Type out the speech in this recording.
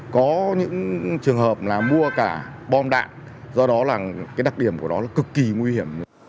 có những trường hợp là mua cả bom đạn do đó là cái đặc điểm của nó là cực kỳ nguy hiểm